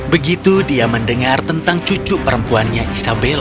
begitu dia mendengar tentang cucu perempuannya isabella